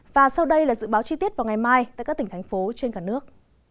và sau đây là dự báo chi tiết vào ngày mai tại các tỉnh thành phố trên cả nước